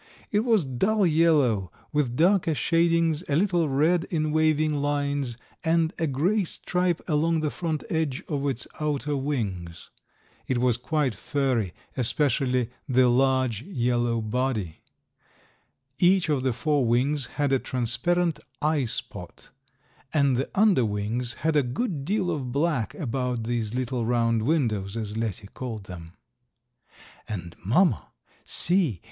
It was dull yellow, with darker shadings, a little red in waving lines, and a gray stripe along the front edge of its outer wings. It was quite furry, especially the large yellow body. Each of the four wings had a transparent eye spot, and the under wings had a good deal of black about these little round windows, as Letty called them. "And, mamma, see!